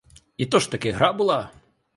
І то ж таки гра була!